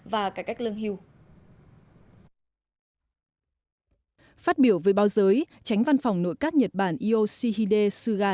và cải cách lương hưu phát biểu với báo giới tránh văn phòng nội các nhật bản ioshihide suga